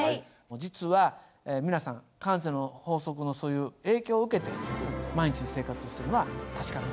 実は皆さん慣性の法則のそういう影響を受けて毎日生活しているのは確かなんです。